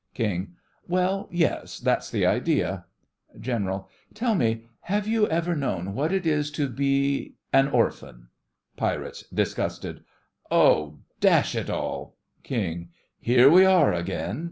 KING: Well, yes, that's the idea. GENERAL: Tell me, have you ever known what it is to be an orphan? PIRATES: (disgusted) Oh, dash it all! KING: Here we are again!